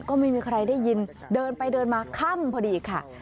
ก็ไม่มีใครได้ยินเดินไปเดินมาค่ำพอดีค่ะ